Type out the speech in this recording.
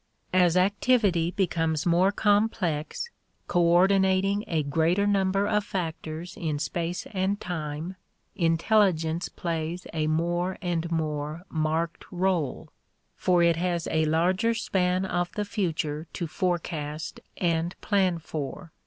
As activity becomes more complex, coordinating a greater number of factors in space and time, intelligence plays a more and more marked role, for it has a larger span of the future to forecast and plan for.